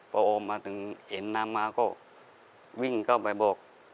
พอออกมาถึงเห็นน้ำมาก็วิ่งเข้าไปบอก